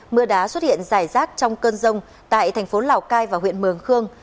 mưa đá xuất hiện dài rác trong cơn rông tại thành phố lào cai và huyện mường khương